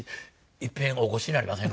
いっぺんお越しになりませんか？